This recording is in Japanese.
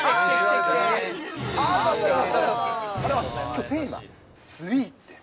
きょうテーマ、スイーツです。